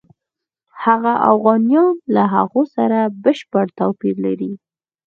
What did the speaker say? هغه اوغانیان له هغو سره بشپړ توپیر لري.